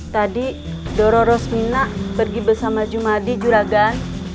tadi dororozmina pergi bersama jumadi juragan